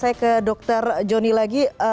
saya ke dokter jonny lagi